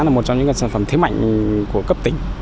là một trong những sản phẩm thế mạnh của cấp tỉnh